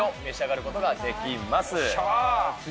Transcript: サンデーを召し上がることができます。